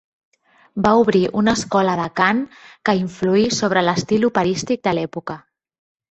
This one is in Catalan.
Va obrir una escola de cant que influí sobre l'estil operístic de l'època.